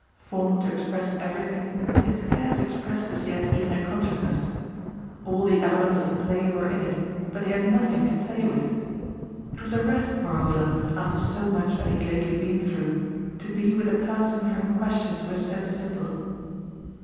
Formed to express everything, it scarce expressed as yet even a consciousness. All the elements of play were in it, but they had nothing to play with. It was a rest moreover, after so much that he had lately been through, to be with a person for whom questions were so simple.